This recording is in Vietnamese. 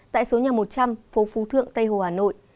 tại số nhà một trăm linh phố phú thượng tây hồ hà nội